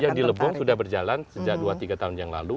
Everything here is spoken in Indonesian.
ya di lebong sudah berjalan sejak dua tiga tahun yang lalu